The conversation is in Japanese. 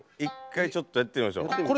１回ちょっとやってみましょう。